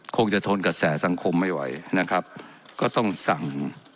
คงจะทนกระแสสังคมไม่ไหวนะครับก็ต้องสั่ง